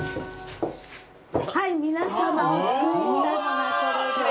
はい皆様お作りしたのがこれです。